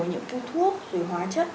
những cái thuốc rồi hóa chất